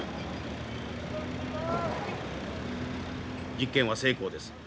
実験は成功です。